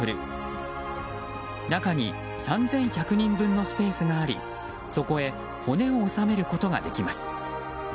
中に３１００人分のスペースがありそこへ骨を納めることができます。